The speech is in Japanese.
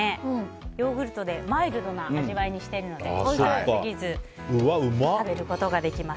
ヨーグルトでマイルドな味わいにしてるので辛すぎず食べることができます。